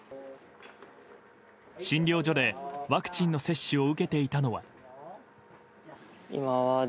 診療所でワクチンの接種を受けていたのは。